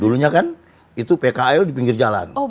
dulunya kan itu pkl di pinggir jalan